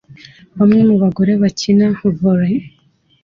Bamwe mu bagore bakina volley